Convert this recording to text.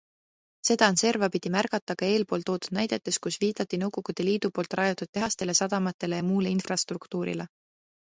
Seda on servapidi märgata ka eelpool toodud näidetes, kus viidati Nõukogude Liidu poolt rajatud tehastele, sadamatele ja muule infrastruktuurile.